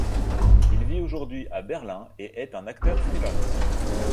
Il vit aujourd'hui à Berlin et est acteur freelance.